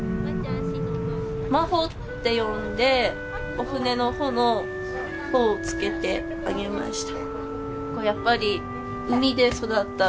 眞帆って読んでお船の帆の帆をつけてあげました。